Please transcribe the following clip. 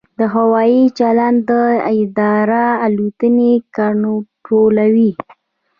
د هوايي چلند اداره الوتنې کنټرولوي